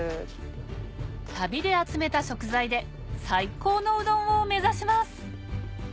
旅で集めた食材で最高のうどんを目指します！